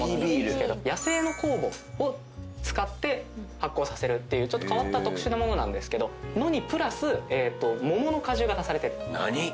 野生の酵母を使って発酵させるっていうちょっと変わった特殊なものなんですけどプラス桃の果汁が足されてる。